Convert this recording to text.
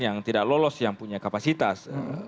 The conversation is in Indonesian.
yang tidak lolos yang punya kapasitas